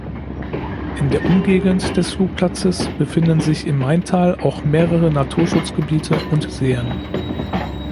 In der Umgegend des Flugplatzes befinden sich im Maintal auch mehrere Naturschutzgebiete und Seen.